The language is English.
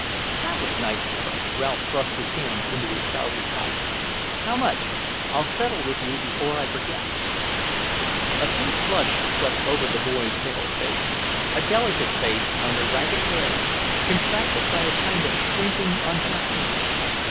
"That was nice of her." Ralph thrust his hand into his trousers pocket. "How much? I'll settle with you before I forget." A pink flush swept over the boy's pale face, a delicate face under ragged hair, contracted by a kind of shrinking unhappiness.